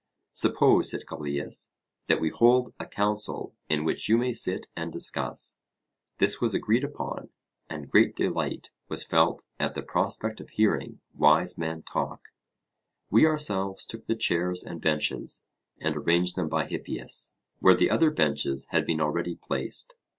Suppose, said Callias, that we hold a council in which you may sit and discuss. This was agreed upon, and great delight was felt at the prospect of hearing wise men talk; we ourselves took the chairs and benches, and arranged them by Hippias, where the other benches had been already placed.